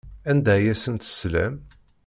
Anda ay asent-teslam?